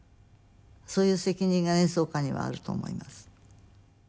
そういう責任が演奏家にはあると思います。